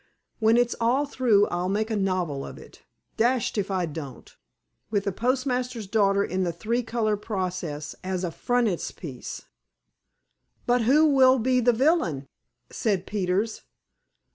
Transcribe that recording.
When it's all through I'll make a novel of it, dashed if I don't, with the postmaster's daughter in the three color process as a frontispiece." "But who will be the villain?" said Peters.